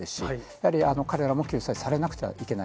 やはり彼らも救済されなくてはいけない。